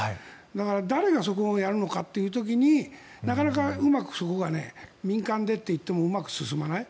だから誰がそこをやるのかっていう時になかなかうまくそこが民間でといってもうまく進まない。